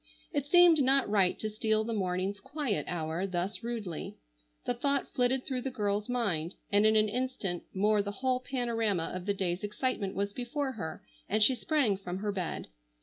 It seemed not right to steal the morning's "quiet hour" thus rudely. The thought flitted through the girl's mind, and in an instant more the whole panorama of the day's excitement was before her, and she sprang from her bed.